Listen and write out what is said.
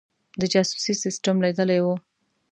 د جاسوسي سسټم لیدلی وو.